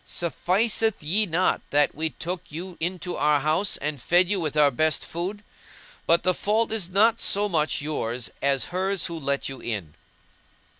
Sufficeth ye not that we took you into our house and fed you with our best food? But the fault is not so much yours as hers who let you in."